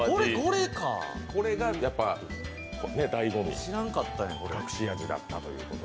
これがやっぱりだいご味隠し味だったということで。